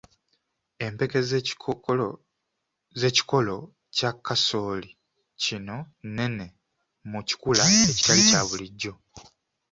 Empeke z'ekikolo kya kasooli kino nnene mu kikula ekitali kya bulijjo.